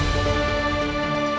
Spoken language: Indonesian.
cnn indonesia newscast segera kembali